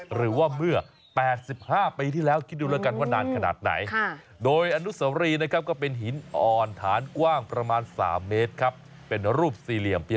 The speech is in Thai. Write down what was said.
หรือว่าเมื่อ๘๕ปีที่แล้วคิดดูแล้วกันว่านานขนาดไหน